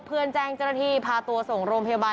แจ้งเจ้าหน้าที่พาตัวส่งโรงพยาบาล